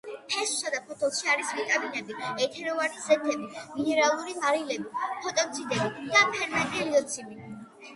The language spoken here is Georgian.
ფესვსა და ფოთოლში არის ვიტამინები, ეთეროვანი ზეთები, მინერალური მარილები, ფიტონციდები და ფერმენტი ლიზოციმი.